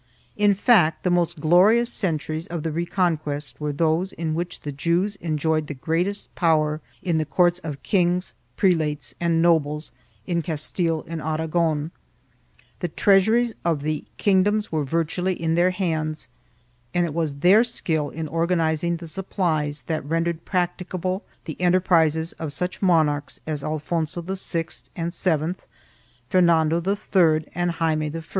2 In fact, the most glorious centuries of the Reconquest were those in which the Jews en joyed the greatest power in the courts of kings, prelates and nobles, in Castile and Aragon. The treasuries of the kingdoms were virtually in their hands, and it was their skill in organizing the supplies that rendered practicable the enterprises of such monarchs as Alfonso VI and VII, Fernando III and Jaime I.